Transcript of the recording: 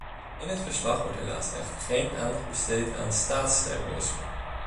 In het verslag wordt helaas echter geen aandacht besteed aan staatsterrorisme.